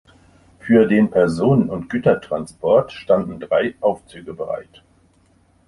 Für den Personen- und Gütertransport standen drei Aufzüge bereit.